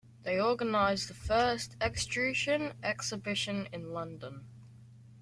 They organized the first Etruscan exhibition in London.